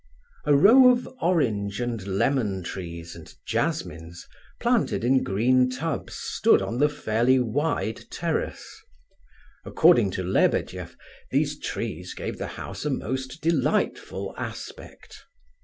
A row of orange and lemon trees and jasmines, planted in green tubs, stood on the fairly wide terrace. According to Lebedeff, these trees gave the house a most delightful aspect.